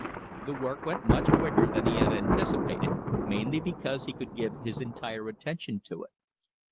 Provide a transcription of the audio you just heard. The work went much quicker than he had anticipated, mainly because he could give his entire attention to it.